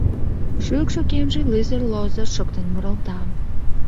Шӱкшӧ кемже лызыр-лозыр шоктен муралта.